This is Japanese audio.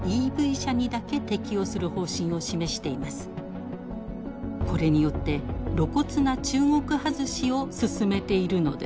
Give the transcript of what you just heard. これによって露骨な中国外しをすすめているのです。